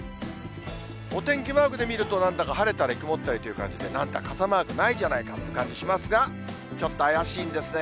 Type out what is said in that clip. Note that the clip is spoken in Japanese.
お天気マークで見ると、なんだか晴れたり曇ったりという感じで、なんだ、傘マークないじゃないかって感じしますが、ちょっと怪しいんですね。